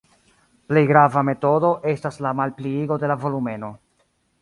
Plej grava metodo estas la malpliigo de la volumeno.